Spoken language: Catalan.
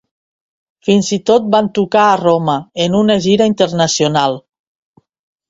Fins i tot van tocar a Roma, en una gira internacional.